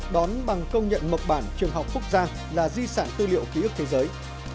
đón bằng công nhận mật bản trường học phúc giang là di sản tư liệu ký ức thế giới